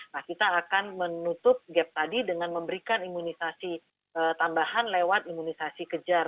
nah kita akan menutup gap tadi dengan memberikan imunisasi tambahan lewat imunisasi kejar